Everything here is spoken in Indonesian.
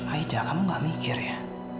aida kamu gak mikir ya